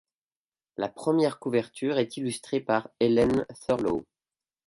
La première couverture est illustrée par Helen Thurlow.